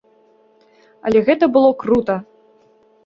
Але гэта было крута!